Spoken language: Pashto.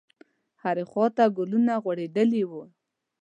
هرې خواته ګلونه غوړېدلي وو.